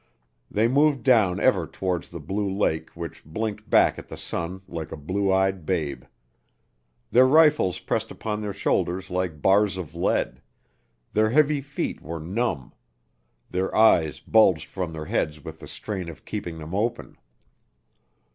They moved down ever towards the blue lake which blinked back at the sun like a blue eyed babe. Their rifles pressed upon their shoulders like bars of lead; their heavy feet were numb; their eyes bulged from their heads with the strain of keeping them open.